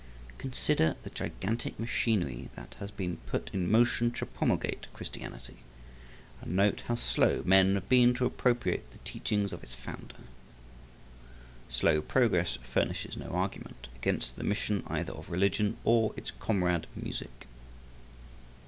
Consider the gigantic machinery that has been put in motion to promulgate Christianity, and note how slow men have been to appropriate the teachings of its founder. Slow progress furnishes no argument against the mission either of religion or its comrade music.